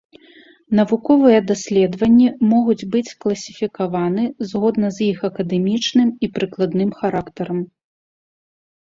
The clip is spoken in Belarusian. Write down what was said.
Навуковыя даследаванні могуць быць класіфікаваны згодна з іх акадэмічным і прыкладным характарам.